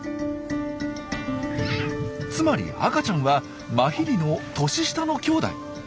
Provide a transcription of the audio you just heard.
つまり赤ちゃんはマヒリの年下のきょうだい。